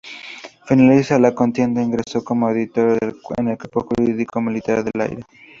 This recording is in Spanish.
Finalizada la contienda ingresó como auditor en el Cuerpo Jurídico Militar del Aire.